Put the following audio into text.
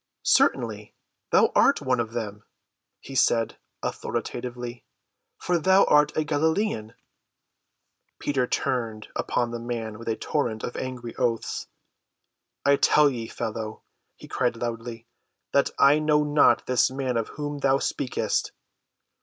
"Certainly, thou art one of them," he said authoritatively, "for thou art a Galilean." Peter turned upon the man with a torrent of angry oaths. "I tell thee, fellow," he cried loudly, "that I know not this man of whom thou speakest."